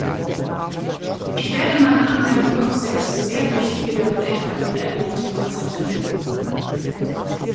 Ich werde meine Anmerkungen auf sechs sehr wichtige darin enthaltene Elemente konzentrieren.